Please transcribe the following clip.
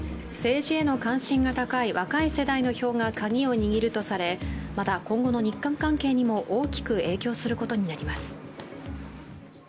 政治への関心が高い若い世代の票がカギを握るとされ、また今後の日韓関係にも大きく影響することになります。